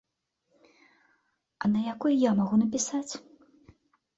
А на якой я магу напісаць?